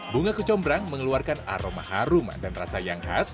bunga kecombrang mengeluarkan aroma harum dan rasa yang khas